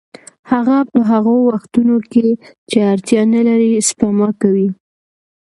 هغه په هغو وختونو کې چې اړتیا نلري سپما کوي